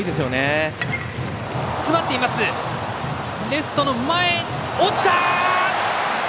レフト前に落ちた！